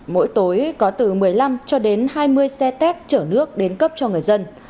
mỗi tối có từ một mươi năm cho đến hai mươi xe tét chở nước đến cấp cho người dân